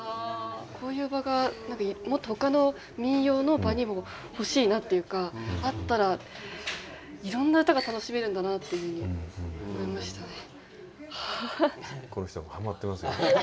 こういう場がもっとほかの民謡の場にも欲しいなっていうかあったらいろんな唄が楽しめるんだなっていうふうに思いましたね。